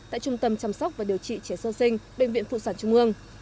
tại trung tâm chăm sóc và điều trị trẻ sơ sinh bệnh viện phụ sản trung ương